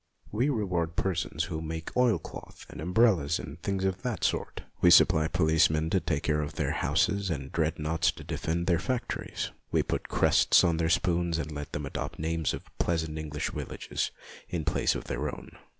We reward the persons who make oil cloth and umbrellas and things of that sort. We supply policemen to take care of their houses, and Dreadnoughts to defend their factories. We put crests on their spoons, and let them adopt the names of pleasant English villages in place of their own.